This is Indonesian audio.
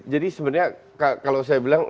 jadi sebenarnya kalau saya bilang